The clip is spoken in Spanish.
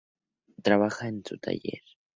Трунов trabajaba en su taller.